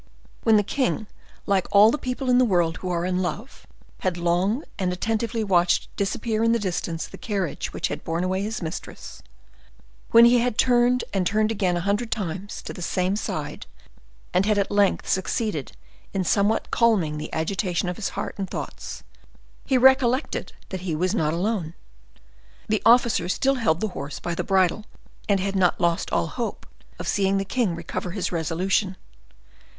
When the king, like all the people in the world who are in love, had long and attentively watched disappear in the distance the carriage which bore away his mistress; when he had turned and turned again a hundred times to the same side and had at length succeeded in somewhat calming the agitation of his heart and thoughts, he recollected that he was not alone. The officer still held the horse by the bridle, and had not lost all hope of seeing the king recover his resolution.